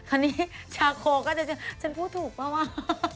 อันนี้ชาโคก็จะฉันพูดถูกป่ะว่า